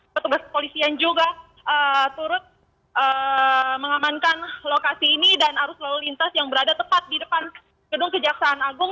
petugas kepolisian juga turut mengamankan lokasi ini dan arus lalu lintas yang berada tepat di depan gedung kejaksaan agung